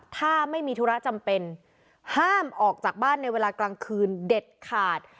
ถ้าไม่มีธุระจำเป็นห้ามออกจากบ้านในเวลากลางคืนเด็ดขาด